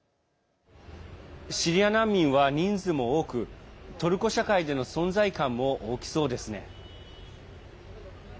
シリア難民は人数も多くトルコ社会での存在感も大きそうですね。